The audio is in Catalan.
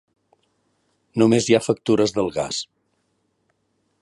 Només hi ha factures del gas.